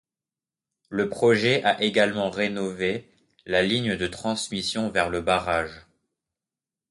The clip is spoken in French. Le projet a également rénové la ligne de transmission vers le barrage.